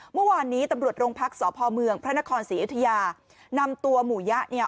เมื่อวานนี้ตำรวจโรงพักษพเมืองพระนครศรีอยุธยานำตัวหมู่ยะเนี่ย